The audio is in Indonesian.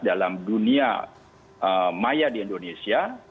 dalam dunia maya di indonesia